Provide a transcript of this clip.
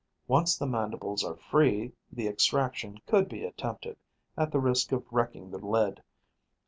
Once the mandibles are free, the extraction could be attempted, at the risk of wrecking the lid.